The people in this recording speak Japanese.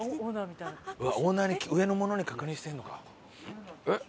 オーナーに上の者に確認してるのか。